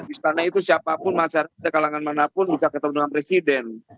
istana itu siapapun masyarakat kalangan manapun bisa ketemu dengan presiden